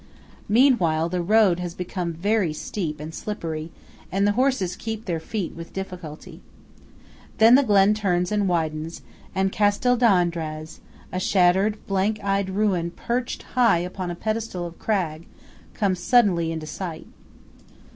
Meanwhile the road has become very steep and slippery, and the horses keep their feet with difficulty. Then the glen turns and widens, and Castel d'Andraz–a shattered, blank eyed ruin perched high upon a pedestal of crag–comes suddenly into sight.